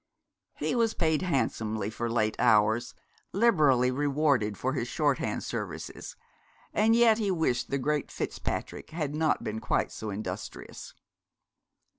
He was paid handsomely for late hours, liberally rewarded for his shorthand services; and yet he wished the great Fitzpatrick had not been quite so industrious.